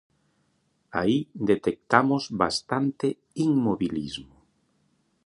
Aí detectamos bastante inmobilismo.